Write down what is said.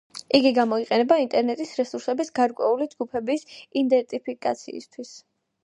იგი გამოიყენება ინტერნეტის რესურსების გარკვეული ჯგუფების იდენტიფიკაციისათვის.